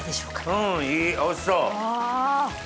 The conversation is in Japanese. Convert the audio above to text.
うんいいおいしそう。